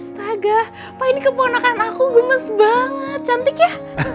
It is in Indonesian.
staga pak ini keponakan aku gemes banget cantik ya